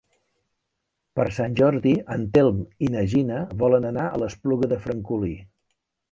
Per Sant Jordi en Telm i na Gina volen anar a l'Espluga de Francolí.